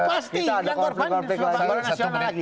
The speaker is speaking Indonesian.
pasti kita ada korban sepak bola nasional lagi